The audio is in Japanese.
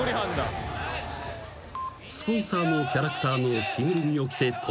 ［スポンサーのキャラクターの着ぐるみを着て登場すると］